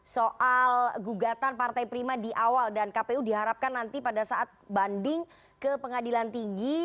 soal gugatan partai prima di awal dan kpu diharapkan nanti pada saat banding ke pengadilan tinggi